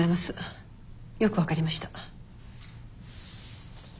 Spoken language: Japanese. よく分かりました。